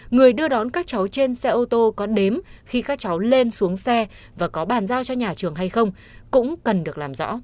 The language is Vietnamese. người đưa đón các cháu trên xe ô tô có đếm khi các cháu lên xuống xe và có bàn giao cho nhà trường hay không cũng cần được làm rõ